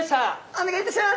お願いいたします！